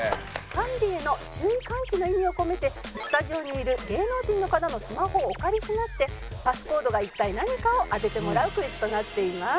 管理への注意喚起の意味を込めてスタジオにいる芸能人の方のスマホをお借りしましてパスコードが一体何かを当ててもらうクイズとなっています。